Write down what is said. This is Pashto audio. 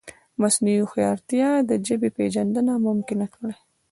مصنوعي هوښیارتیا د ژبې پېژندنه ممکنه کړې ده.